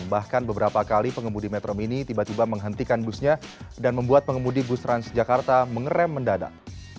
bahkan beberapa kali pengemudi metro mini tiba tiba menghentikan busnya dan membuat pengemudi bus transjakarta mengeram mendadak